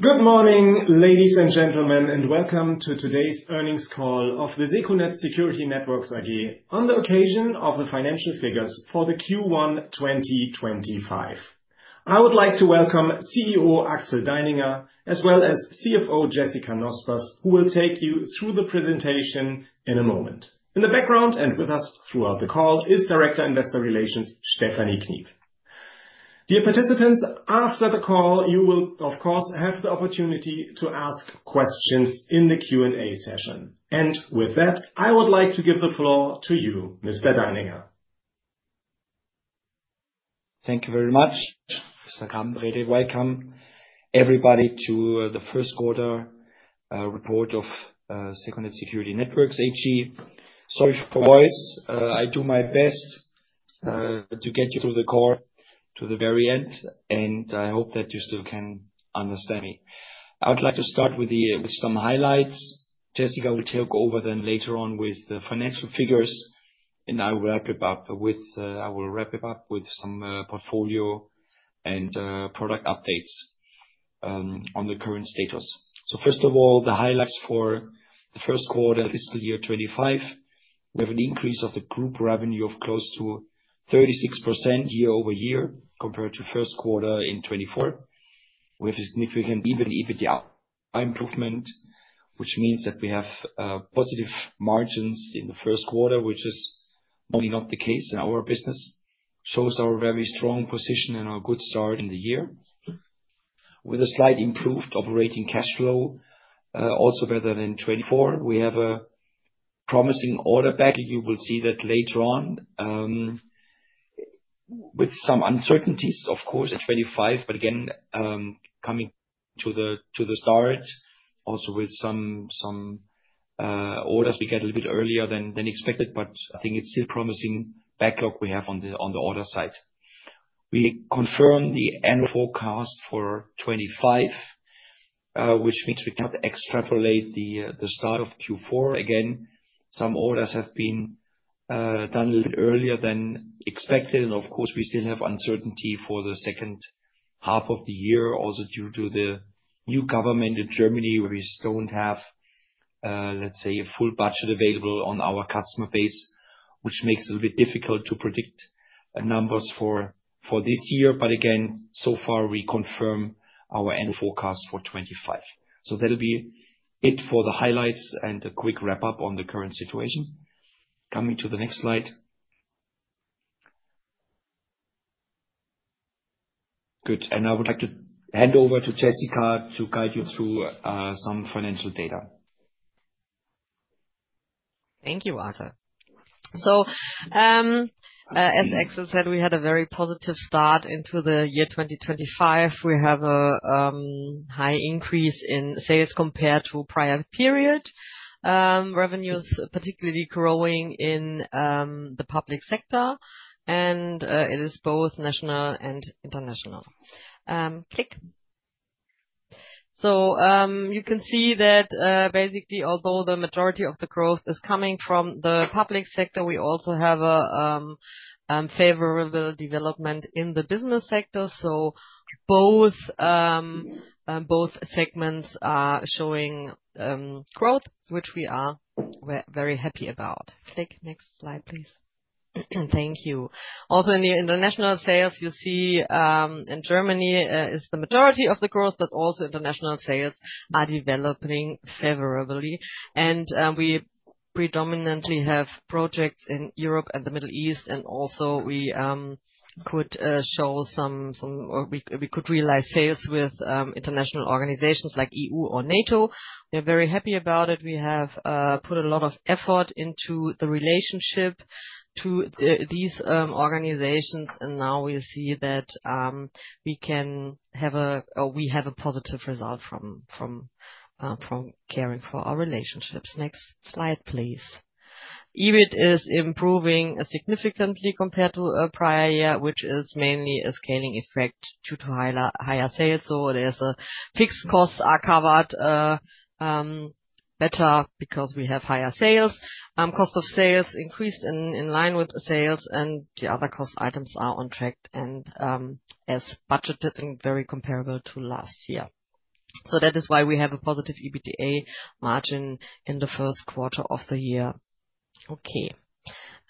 Good morning, ladies and gentlemen, and welcome to today's earnings call of secunet Security Networks AG on the occasion of the financial figures for Q1 2025. I would like to welcome CEO Axel Deininger, as well as CFO Jessica Nospers, who will take you through the presentation in a moment. In the background and with us throughout the call is Director of Investor Relations Stephanie Kniep. Dear participants, after the call, you will, of course, have the opportunity to ask questions in the Q&A session. With that, I would like to give the floor to you, Mr. Deininger. Thank you very much. Welcome, everybody, to the first quarter report of secunet Security Networks AG. Sorry for the noise. I do my best to get you through the call to the very end, and I hope that you still can understand me. I would like to start with some highlights. Jessica will take over then later on with the financial figures, and I will wrap it up with some portfolio and product updates on the current status. First of all, the highlights for the first quarter of fiscal year 2025. We have an increase of the group revenue of close to 36% year-over-year compared to first quarter in 2024. We have a significant EBITDA improvement, which means that we have positive margins in the first quarter, which is normally not the case in our business. It shows our very strong position and our good start in the year, with a slight improved operating cash flow, also better than 2024. We have a promising order back. You will see that later on, with some uncertainties, of course, in 2025, but again, coming to the start, also with some orders we get a little bit earlier than expected, but I think it's still a promising backlog we have on the order side. We confirm the annual forecast for 2025, which means we can't extrapolate the start of Q4. Again, some orders have been done a little earlier than expected. Of course, we still have uncertainty for the second half of the year, also due to the new government in Germany, where we still do not have, let's say, a full budget available on our customer base, which makes it a little bit difficult to predict numbers for this year. Again, so far, we confirm our annual forecast for 2025. That will be it for the highlights and a quick wrap-up on the current situation. Coming to the next slide. Good. I would like to hand over to Jessica to guide you through some financial data. Thank you, Axel. As Axel said, we had a very positive start into the year 2025. We have a high increase in sales compared to the prior period. Revenues are particularly growing in the public sector, and it is both national and international. Click. You can see that basically, although the majority of the growth is coming from the public sector, we also have a favorable development in the business sector. Both segments are showing growth, which we are very happy about. Click next slide, please. Thank you. Also in the international sales, you see in Germany is the majority of the growth, but also international sales are developing favorably. We predominantly have projects in Europe and the Middle East, and also we could show some we could realize sales with international organizations like EU or NATO. We are very happy about it. We have put a lot of effort into the relationship to these organizations, and now we see that we can have a we have a positive result from caring for our relationships. Next slide, please. EBIT is improving significantly compared to a prior year, which is mainly a scaling effect due to higher sales. There is a fixed costs are covered better because we have higher sales. Cost of sales increased in line with sales, and the other cost items are on track and as budgeted and very comparable to last year. That is why we have a positive EBITDA margin in the first quarter of the year. Okay.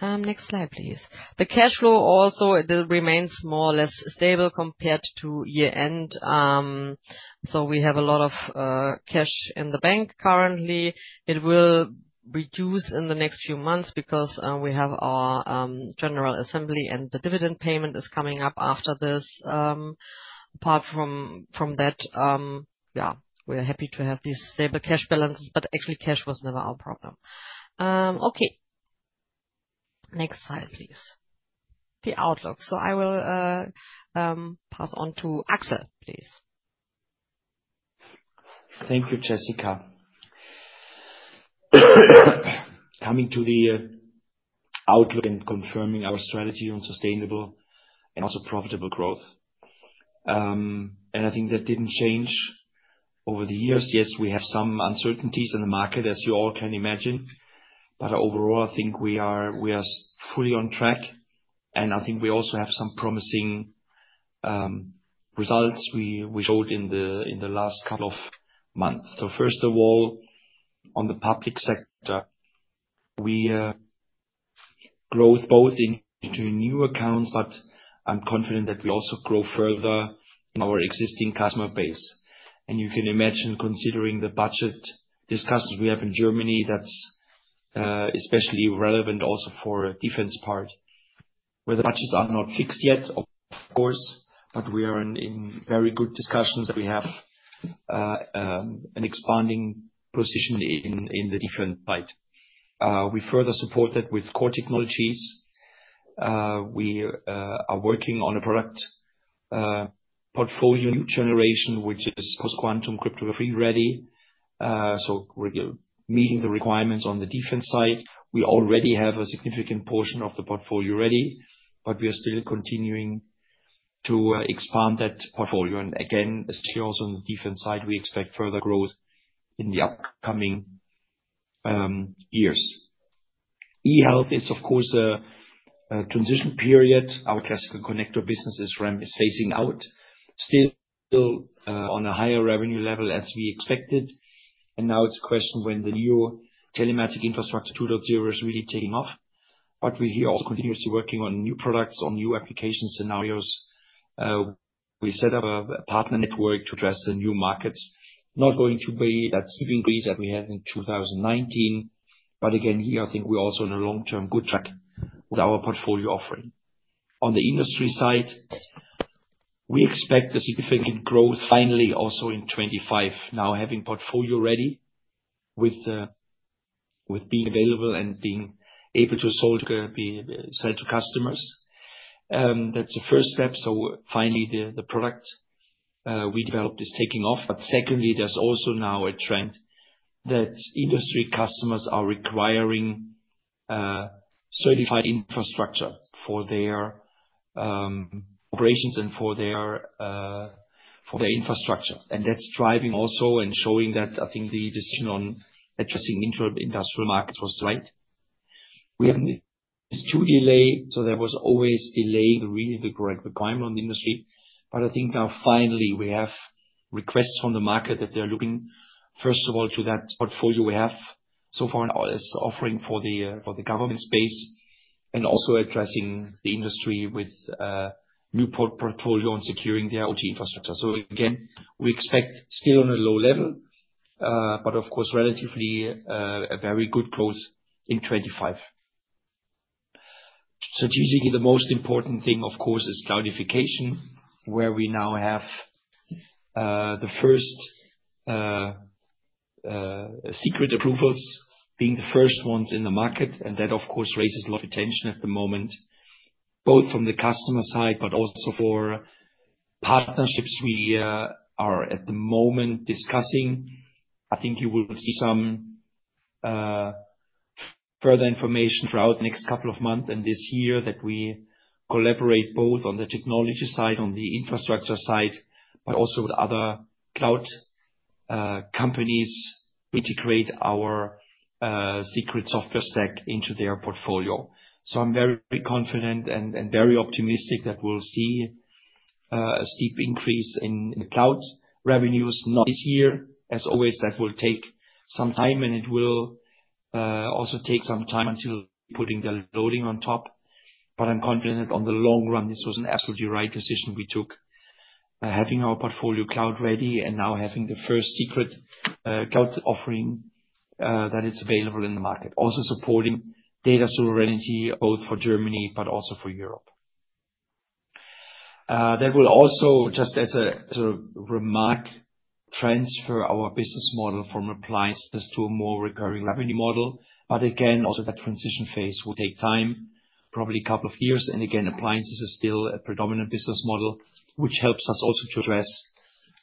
Next slide, please. The cash flow also remains more or less stable compared to year-end. We have a lot of cash in the bank currently. It will reduce in the next few months because we have our general assembly and the dividend payment is coming up after this. Apart from that, yeah, we're happy to have these stable cash balances, but actually cash was never our problem. Okay. Next slide, please. The outlook. I will pass on to Axel, please. Thank you, Jessica. Coming to the outlook and confirming our strategy on sustainable and also profitable growth. I think that did not change over the years. Yes, we have some uncertainties in the market, as you all can imagine. Overall, I think we are fully on track, and I think we also have some promising results we showed in the last couple of months. First of all, on the public sector, we grow both into new accounts, but I am confident that we also grow further in our existing customer base. You can imagine considering the budget discussions we have in Germany, that is especially relevant also for the defense part, where the budgets are not fixed yet, of course, but we are in very good discussions. We have an expanding position in the defense side. We further support that with core technologies. We are working on a product portfolio new generation, which is post-quantum cryptography ready. So we're meeting the requirements on the defense side. We already have a significant portion of the portfolio ready, but we are still continuing to expand that portfolio. Again, as you also on the defense side, we expect further growth in the upcoming years. E-health is, of course, a transition period. Our classical connector business is facing out, still on a higher revenue level as we expected. Now it's a question when the new Telematic Infrastructure 2.0 is really taking off. We're here also continuously working on new products, on new application scenarios. We set up a partner network to address the new markets. Not going to be that sleeping breeze that we had in 2019, but again, here, I think we're also on a long-term good track with our portfolio offering. On the industry side, we expect significant growth finally also in 2025, now having portfolio ready with being available and being able to sell to customers. That's the first step. Finally, the product we developed is taking off. Secondly, there is also now a trend that industry customers are requiring certified infrastructure for their operations and for their infrastructure. That is driving also and showing that I think the decision on addressing interindustrial markets was right. We have this due delay, so there was always delay in reading the correct requirement on the industry. I think now finally we have requests from the market that they are looking, first of all, to that portfolio we have so far as offering for the government space and also addressing the industry with a new portfolio and securing their OT infrastructure. Again, we expect still on a low level, but of course, relatively a very good growth in 2025. Strategically, the most important thing, of course, is cloudification, where we now have the first secret approvals being the first ones in the market. That, of course, raises a lot of attention at the moment, both from the customer side, but also for partnerships we are at the moment discussing. I think you will see some further information throughout the next couple of months and this year that we collaborate both on the technology side, on the infrastructure side, but also with other cloud companies to integrate our secret software stack into their portfolio. I am very confident and very optimistic that we will see a steep increase in cloud revenues this year. As always, that will take some time, and it will also take some time until putting the loading on top. I am confident that in the long run, this was an absolutely right decision we took, having our portfolio cloud ready and now having the first secret cloud offering that is available in the market, also supporting data sovereignty both for Germany but also for Europe. That will also, just as a remark, transfer our business model from appliances to a more recurring revenue model. Again, also that transition phase will take time, probably a couple of years. Appliances are still a predominant business model, which helps us also to address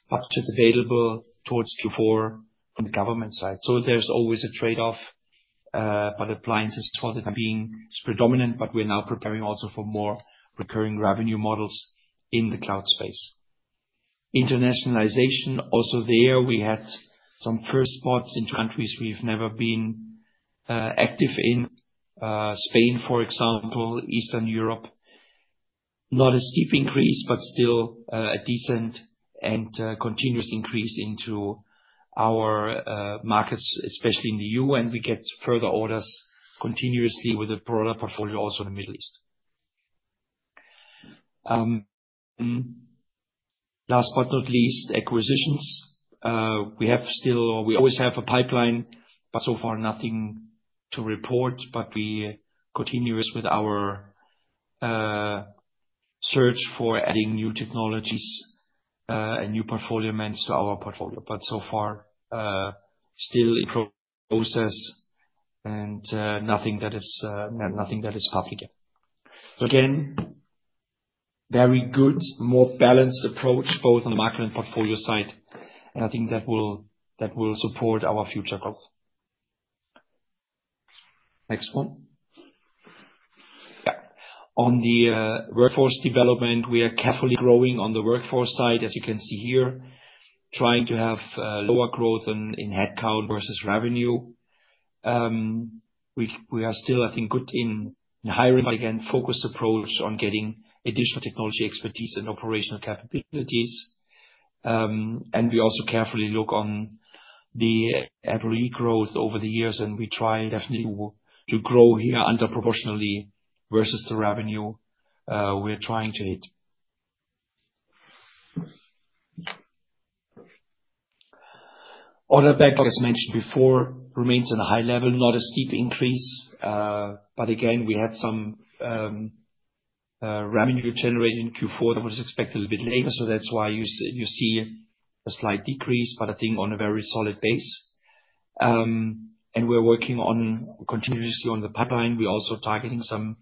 budgets available towards Q4 from the government side. There is always a trade-off, but appliances for the time being is predominant, but we are now preparing also for more recurring revenue models in the cloud space. Internationalization, also there, we had some first spots in countries we've never been active in, Spain, for example, Eastern Europe. Not a steep increase, but still a decent and continuous increase into our markets, especially in the EU. We get further orders continuously with a broader portfolio also in the Middle East. Last but not least, acquisitions. We have still, or we always have a pipeline, but so far nothing to report, but we are continuous with our search for adding new technologies and new portfolio amendments to our portfolio. So far, still in process and nothing that is public yet. Again, very good, more balanced approach, both on the market and portfolio side. I think that will support our future growth. Next one. Yeah. On the workforce development, we are carefully growing on the workforce side, as you can see here, trying to have lower growth in headcount versus revenue. We are still, I think, good in hiring, but again, focused approach on getting additional technology expertise and operational capabilities. We also carefully look on the employee growth over the years, and we try definitely to grow here underproportionally versus the revenue we're trying to hit. Order backlog, as mentioned before, remains at a high level, not a steep increase. We had some revenue generating Q4 that was expected a little bit later, so that's why you see a slight decrease, but I think on a very solid base. We are working continuously on the pipeline. We are also targeting some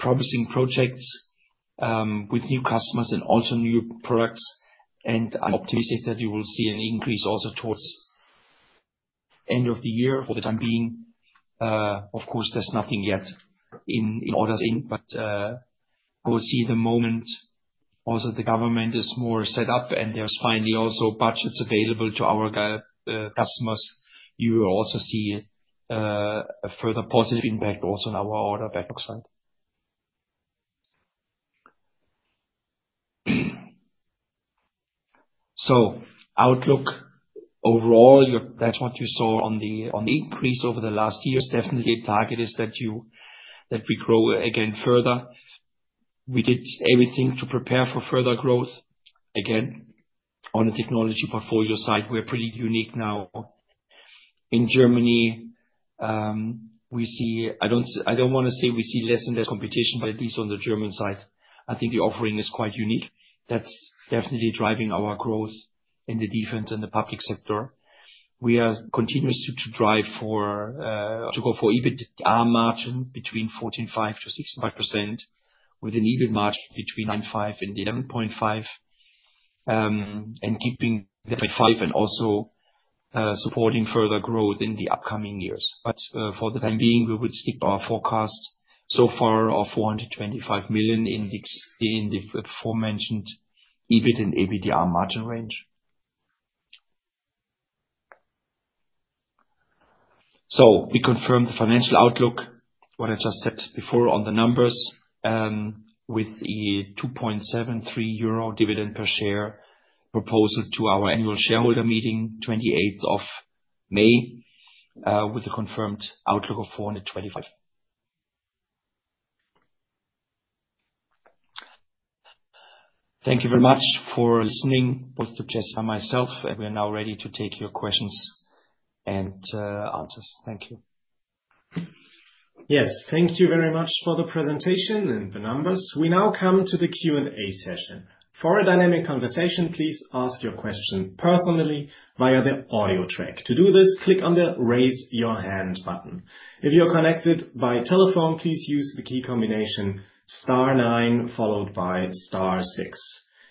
promising projects with new customers and also new products. I'm optimistic that you will see an increase also towards the end of the year for the time being. Of course, there's nothing yet in orders in, but we'll see the moment. Also, the government is more set up, and there's finally also budgets available to our customers. You will also see a further positive impact also on our order backlog side. Outlook overall, that's what you saw on the increase over the last year. It's definitely a target that we grow again further. We did everything to prepare for further growth. Again, on the technology portfolio side, we're pretty unique now. In Germany, we see, I don't want to say we see less and less competition, but at least on the German side, I think the offering is quite unique. That's definitely driving our growth in the defense and the public sector. We are continuous to drive for to go for EBITDA margin between 14.5%-16.5% with an EBIT margin between 9.5% and 11.5% and keeping that by 5 and also supporting further growth in the upcoming years. For the time being, we would stick to our forecast. So far, our 425 million in the aforementioned EBIT and EBITDA margin range. We confirmed the financial outlook, what I just said before on the numbers with a 2.73 euro dividend per share proposal to our annual shareholder meeting 28th of May with a confirmed outlook of 425 million. Thank you very much for listening, both to Jessica and myself. We are now ready to take your questions and answers. Thank you. Yes. Thank you very much for the presentation and the numbers. We now come to the Q&A session. For a dynamic conversation, please ask your question personally via the audio track. To do this, click on the Raise Your Hand button. If you're connected by telephone, please use the key combination star nine followed by star six.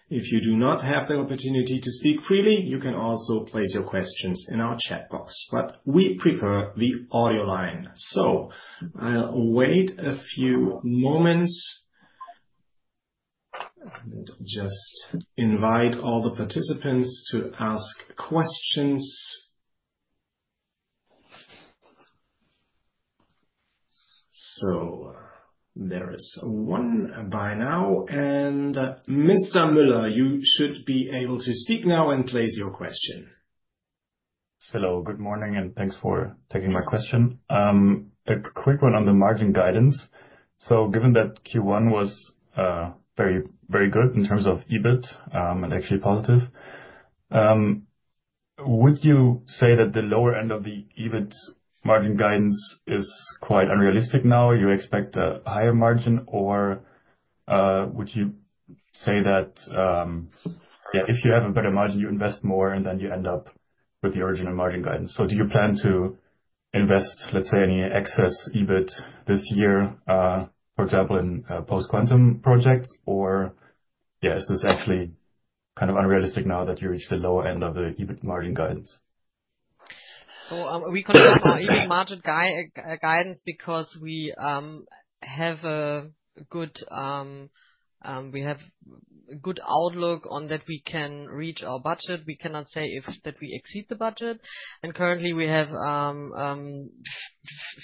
If you do not have the opportunity to speak freely, you can also place your questions in our chat box. We prefer the audio line. I'll wait a few moments and just invite all the participants to ask questions. There is one by now. Mr. Müller, you should be able to speak now and place your question. Hello. Good morning and thanks for taking my question. A quick one on the margin guidance. Given that Q1 was very, very good in terms of EBIT and actually positive, would you say that the lower end of the EBIT margin guidance is quite unrealistic now? You expect a higher margin, or would you say that, yeah, if you have a better margin, you invest more and then you end up with the original margin guidance? Do you plan to invest, let's say, any excess EBIT this year, for example, in post-quantum projects? Or, yeah, is this actually kind of unrealistic now that you reached the lower end of the EBIT margin guidance? We call it EBIT margin guidance because we have a good outlook on that we can reach our budget. We cannot say if that we exceed the budget. Currently, we have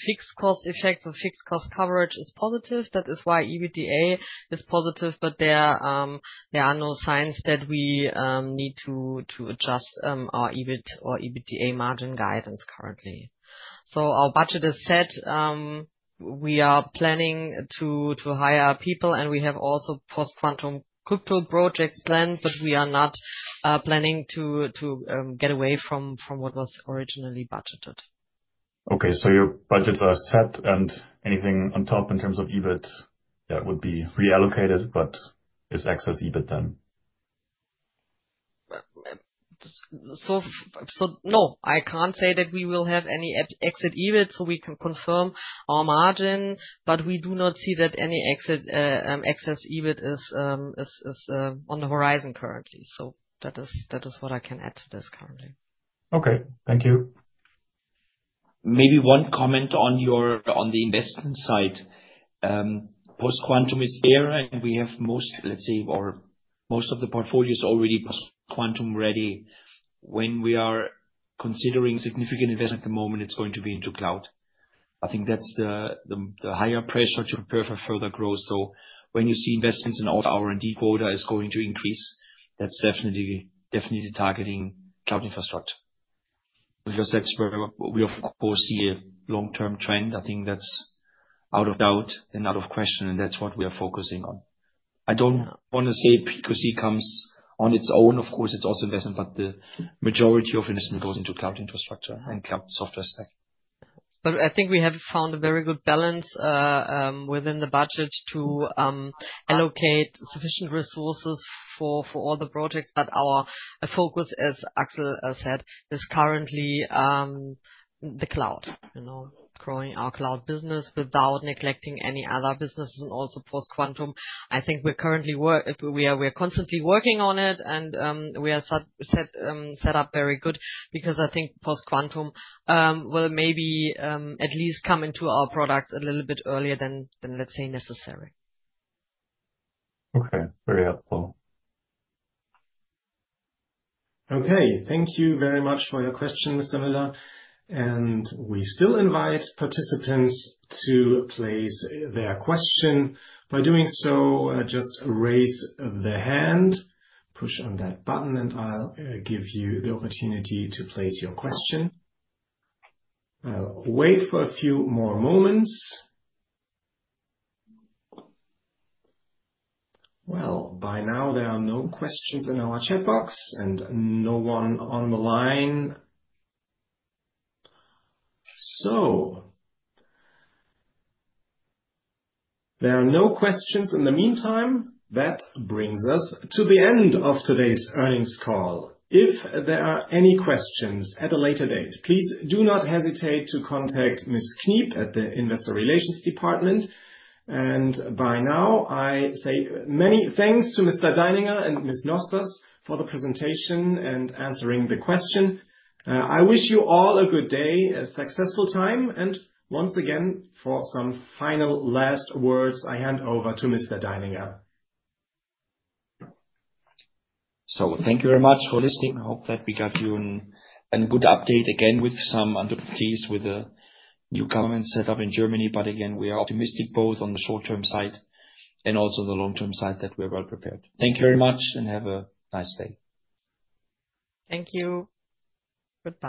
fixed cost effect, so fixed cost coverage is positive. That is why EBITDA is positive, but there are no signs that we need to adjust our EBIT or EBITDA margin guidance currently. Our budget is set. We are planning to hire people, and we have also post-quantum crypto projects planned, but we are not planning to get away from what was originally budgeted. Okay. So your budgets are set, and anything on top in terms of EBIT, yeah, would be reallocated, but is excess EBIT then? No, I can't say that we will have any excess EBIT, so we can confirm our margin, but we do not see that any excess EBIT is on the horizon currently. That is what I can add to this currently. Okay. Thank you. Maybe one comment on the investment side. Post-quantum is there, and we have most, let's say, or most of the portfolios already post-quantum ready. When we are considering significant investment at the moment, it's going to be into cloud. I think that's the higher pressure to prepare for further growth. When you see investments in our R&D quota, it's going to increase. That's definitely targeting cloud infrastructure. Because that's where we, of course, see a long-term trend. I think that's out of doubt and out of question, and that's what we are focusing on. I don't want to say PQC comes on its own. Of course, it's also investment, but the majority of investment goes into cloud infrastructure and cloud software stack. I think we have found a very good balance within the budget to allocate sufficient resources for all the projects. Our focus, as Axel said, is currently the cloud, growing our cloud business without neglecting any other businesses and also post-quantum. I think we're currently working on it, and we are set up very good because I think post-quantum will maybe at least come into our product a little bit earlier than, let's say, necessary. Okay. Very helpful. Okay. Thank you very much for your question, Mr. Müller. We still invite participants to place their question. By doing so, just raise the hand, push on that button, and I'll give you the opportunity to place your question. I'll wait for a few more moments. By now, there are no questions in our chat box and no one on the line. There are no questions in the meantime. That brings us to the end of today's earnings call. If there are any questions at a later date, please do not hesitate to contact Ms. Kniep at the Investor Relations Department. By now, I say many thanks to Mr. Deininger and Ms. Nospers for the presentation and answering the question. I wish you all a good day, a successful time. Once again, for some final last words, I hand over to Mr. Deininger. Thank you very much for listening. I hope that we got you a good update again with some uncertainties with the new government setup in Germany. Again, we are optimistic both on the short-term side and also the long-term side that we are well prepared. Thank you very much and have a nice day. Thank you. Goodbye.